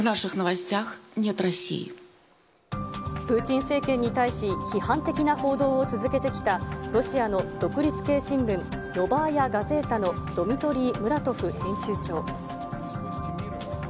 プーチン政権に対し、批判的な報道を続けてきたロシアの独立系新聞、ノーバヤ・ガゼータのドミトリー・ムラトフ編集長。